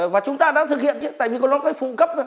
và chúng ta đã thực hiện chứ tại vì nó có cái phụ cấp